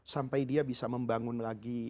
sampai dia bisa membangun lagi